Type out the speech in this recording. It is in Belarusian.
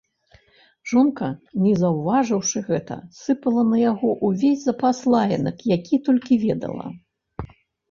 Жонка, не заўважыўшы гэта, сыпала на яго ўвесь запас лаянак, які толькі ведала.